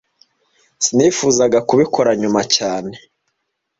Sinifuzaga kubikora nyuma cyane